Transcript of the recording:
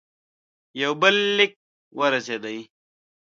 یو بل لیک ورسېدی.